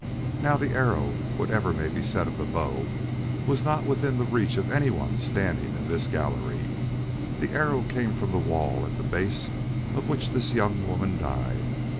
Now the arrow whatever may be said of the bow was not within the reach of anyone standing in this gallery. The arrow came from the wall at the base of which this young woman died.